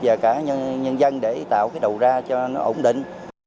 và cả nhân dân để tạo cái đầu ra cho nó ổn định